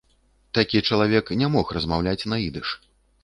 Такі чалавек не мог размаўляць на ідыш.